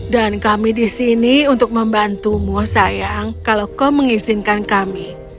dan kami di sini untuk membantumu sayang kalau kau mengizinkan kami